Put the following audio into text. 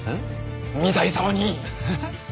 御台様に！